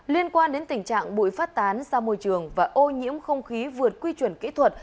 liên quan đến tình trạng bụi phát tán ra môi trường và ô nhiễm không khí vượt quy chuẩn kỹ thuật